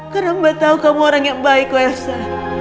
karena mbak tau kamu orang yang baik kok elsa